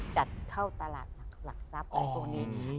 จัดเข้าตลาดหลักทรัพย์ของตัวนี้